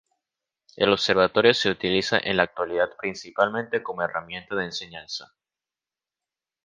El observatorio se utiliza en la actualidad principalmente como herramienta de enseñanza.